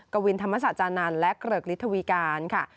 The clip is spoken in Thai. กวินธรรมศาจานันทร์และเกริกฤทธวีการค่ะ